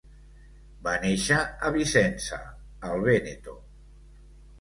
Va néixer a Vicenza, al Vèneto.